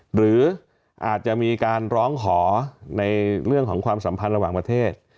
หรืออาจจะมีการร้องขอในเรื่องของความสัมพันธ์ระหว่างประเทศ